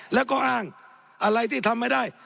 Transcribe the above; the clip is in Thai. แล้วก็อ้างอะไรที่ทำไม่ได้